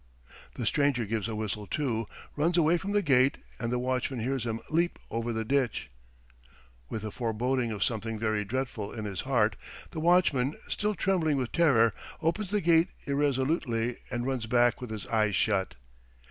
The stranger gives a whistle too, runs away from the gate, and the watchman hears him leap over the ditch. With a foreboding of something very dreadful in his heart, the watchman, still trembling with terror, opens the gate irresolutely and runs back with his eyes shut.